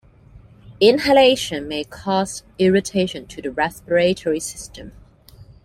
Inhalation may cause irritation to the respiratory system.